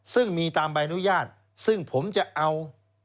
ซึ่งมีตามใบอนุญาตซึ่งผมจะเอา